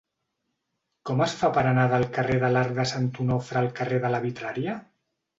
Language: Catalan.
Com es fa per anar del carrer de l'Arc de Sant Onofre al carrer de la Vitrària?